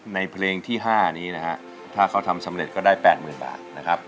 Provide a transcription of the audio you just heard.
ในเพลงที่๕ถ้าเขาทำสำเร็จก็ได้๘๐๐๐๐บาท